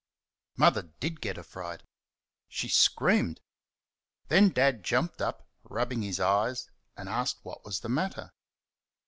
Mother DID get a fright. She screamed. Then Dad jumped up, rubbing his eyes, and asked what was the matter.